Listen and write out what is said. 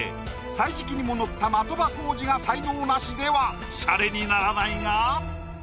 「歳時記」にも載った的場浩司が才能ナシではシャレにならないが。